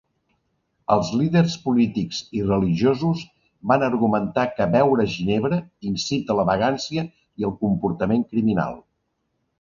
El líders polítics i religiosos van argumentar que beure ginebra incita la vagància i el comportament criminal.